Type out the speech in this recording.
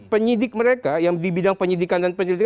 penyidik mereka yang di bidang penyidikan dan penyelidikan